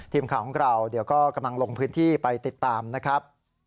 ทีมข่าวของเราเดี๋ยวก็กำลังลงพื้นที่ไปติดตามนะครับ